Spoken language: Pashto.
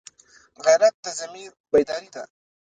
غیرت د ضمیر بیداري ده